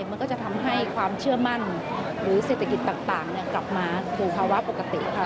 มันก็จะทำให้ความเชื่อมั่นหรือเศรษฐกิจต่างกลับมาสู่ภาวะปกติค่ะ